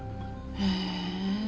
へえ。